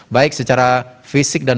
baik secara fisik dan